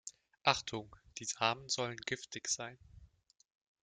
Achtung, die Samen sollen giftig sein.